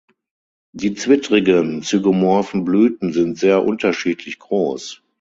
Die zwittrigen, zygomorphen Blüten sind sehr unterschiedlich groß.